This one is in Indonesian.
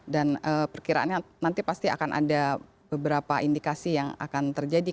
dan perkiraannya nanti pasti akan ada beberapa indikasi yang akan terjadi